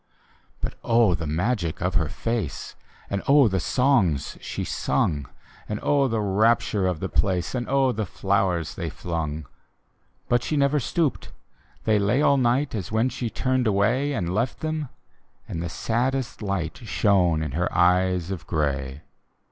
But oh, the magic of her face. And oh the songs she sung. And oh the rapture of the place, And oh the flowers they flungl But she never stooped : they lay all night, As when she turned away, And left them — and the saddest light Shone in her eyes of grey.